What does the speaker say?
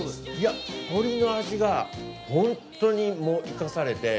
鶏の味がホントに生かされて。